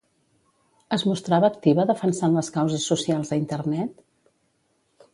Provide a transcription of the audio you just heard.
Es mostrava activa defensant les causes socials a Internet?